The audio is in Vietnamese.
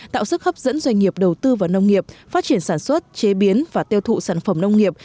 tạo sức hấp dẫn doanh nghiệp đầu tư vào nông nghiệp phát triển sản xuất chế biến và tiêu thụ sản phẩm nông nghiệp